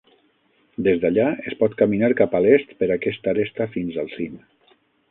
Des d'allà, es pot caminar cap a l'est per aquesta aresta fins al cim.